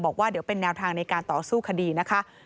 ดูให้ดังว่าเป็นแนวทางในการต่อสู้คดีนะคะ